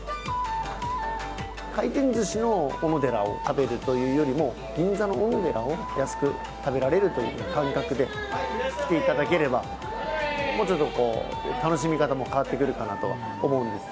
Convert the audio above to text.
回転ずしのおのでらを食べるというよりも、銀座のおのでらを安く食べられるという感覚で来ていただければ、もうちょっとこう、楽しみ方も変わってくるかなとは思うんです。